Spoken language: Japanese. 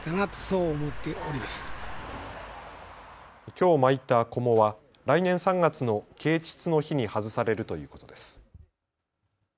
きょう巻いたこもは来年３月の啓ちつの日に外されるということです。